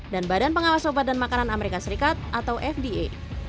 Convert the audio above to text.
dan badan pengawas obat dan makanan amerika serikat atau fda